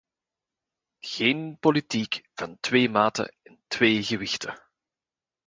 Geen politiek van twee maten en twee gewichten.